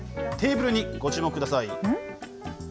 テーブルにご注目ください。